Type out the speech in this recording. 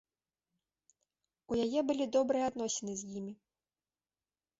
У яе былі добрыя адносіны з імі.